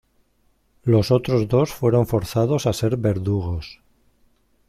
Los otros dos fueron forzados a ser verdugos.